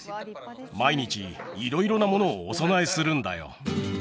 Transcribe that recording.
毎日色々なものをお供えするんだよ